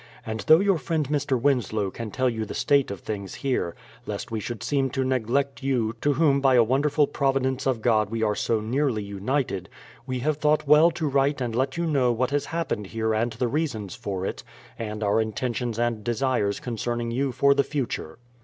And though your friend Mr. Winslow can tell you the state of things here, lest we should seem to neglect you, to whom by a wonderful providence of God we are so nearly united, we have thought \\ell to write and let you know what has happened here and the reasons for it, and our intentions and desires concern ing you for the future.